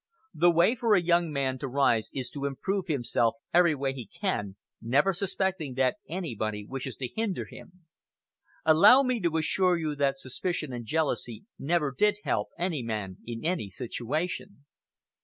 The way for a young man to rise is to improve himself every way he can, never suspecting that anybody wishes to hinder him. Allow me to assure you that suspicion and jealousy never did help any man in any situation.